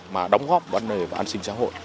mà đóng góp vấn đề và an sinh xã hội